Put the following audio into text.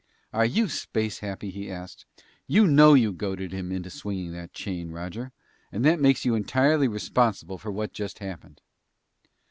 "Are you space happy?" he asked, "You know you goaded him into swinging that chain, Roger. And that makes you entirely responsible for what just happened!"